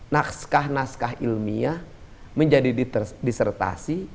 naskah naskah ilmiah menjadi disertasi